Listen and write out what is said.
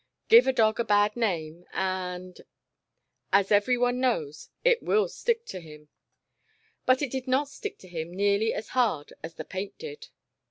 "Give a dog a bad name, and," as everyone knows, " it will stick to him." But it did not stick to him, nearly as hard as the paint did.